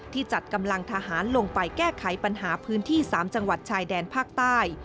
จัดกำลังทหารลงไปแก้ไขปัญหาพื้นที่๓จังหวัดชายแดนภาคใต้